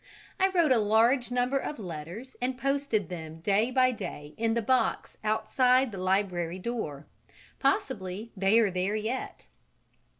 I wrote a large number of letters and posted them day by day in the box outside the library door: possibly they are there yet.